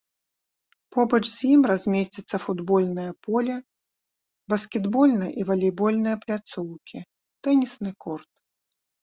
Побач з ім размесціцца футбольнае поле, баскетбольная і валейбольная пляцоўкі, тэнісны корт.